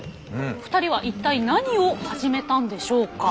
２人は一体何を始めたんでしょうか？